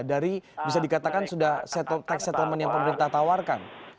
dari bisa dikatakan sudah tax settlement yang pemerintah tawarkan